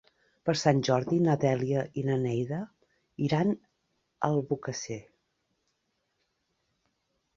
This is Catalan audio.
Per Sant Jordi na Dèlia i na Neida iran a Albocàsser.